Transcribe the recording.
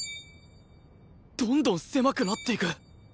どんどん狭くなっていく